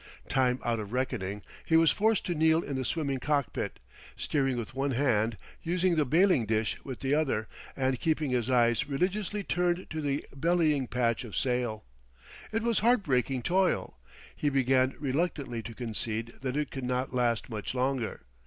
Time out of reckoning he was forced to kneel in the swimming cockpit, steering with one hand, using the bailing dish with the other, and keeping his eyes religiously turned to the bellying patch of sail. It was heartbreaking toil; he began reluctantly to concede that it could not last much longer.